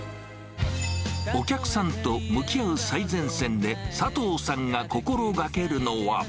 お客さんと向き合う最前線で佐藤さんが心がけるのは。